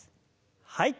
はい。